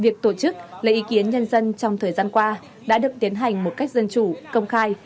việc tổ chức lấy ý kiến nhân dân trong thời gian qua đã được tiến hành một cách dân chủ công khai